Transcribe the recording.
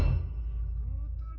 dia selalu menjalankan keamanan